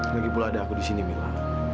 lagipula ada aku di sini mila